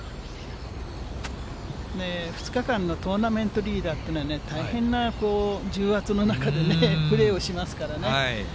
２日間のトーナメントリーダーっていうのは、大変な重圧の中でね、プレーをしますからね。